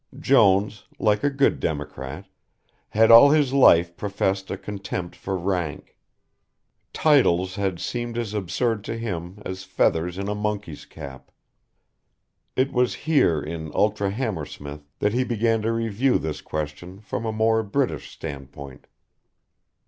Jones, like a good Democrat, had all his life professed a contempt for rank. Titles had seemed as absurd to him as feathers in a monkey's cap. It was here in ultra Hammersmith that he began to review this question from a more British standpoint.